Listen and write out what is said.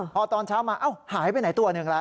พอตอนเช้ามาหายไปไหนตัวหนึ่งละ